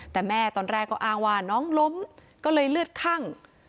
แต่แม่ตอนแรกก็อ้างว่าน้องล้มก็เลยเลือดคั่ง